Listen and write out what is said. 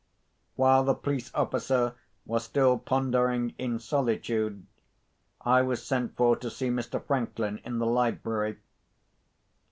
While the police officer was still pondering in solitude, I was sent for to see Mr. Franklin in the library.